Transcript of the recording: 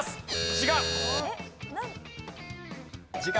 違う。